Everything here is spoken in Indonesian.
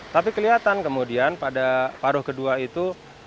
tapi kelihatan kemudian pada paruh kedua itu